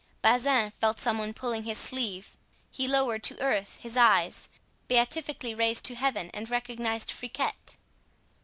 Bazin felt some one pulling his sleeve. He lowered to earth his eyes, beatifically raised to Heaven, and recognized Friquet.